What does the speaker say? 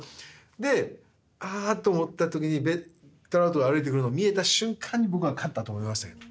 で「あ」と思った時にトラウトが歩いてくるのを見えた瞬間に僕は勝ったと思いましたけど。